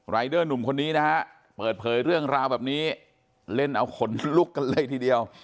เดอร์หนุ่มคนนี้นะฮะเปิดเผยเรื่องราวแบบนี้เล่นเอาขนลุกกันเลยทีเดียว